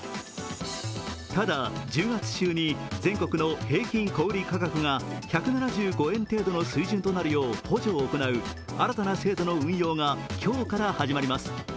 ただ、１０月中に全国の平均小売価格が１７５円程度の水準となるよう補助を行う新たな制度の運用が今日から始まります。